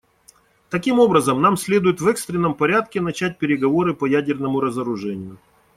Таким образом, нам следует в экстренном порядке начать переговоры по ядерному разоружению.